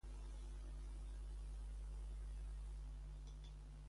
Sekve li promociigitis je papa domprelateco.